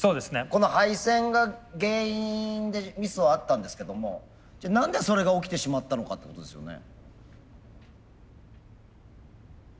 この配線が原因でミスはあったんですけどもじゃあ何でそれが起きてしまったのかってことですよね。